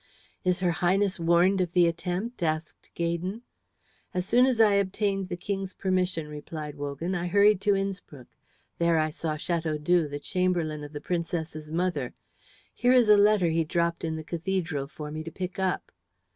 "Is her Highness warned of the attempt?" asked Gaydon. "As soon as I obtained the King's permission," replied Wogan, "I hurried to Innspruck. There I saw Chateaudoux, the chamberlain of the Princess's mother. Here is a letter he dropped in the cathedral for me to pick up."